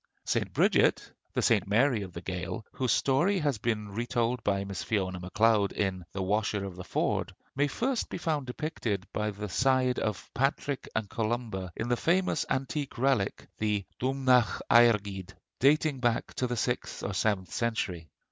St. Bridget, the St. Mary of the Gael, whose story has been retold by Miss Fiona Macleod in 'The Washer of the Ford,' may first be found depicted by the side of Patrick and Columba in the famous antique relic, the 'Domhnach Airgid,' dating back to the sixth or seventh century.